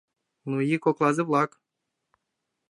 Ну и коклазе-влак!